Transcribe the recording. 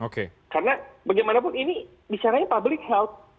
karena bagaimanapun ini misalnya public health